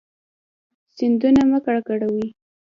سیندونه مه ککړوئ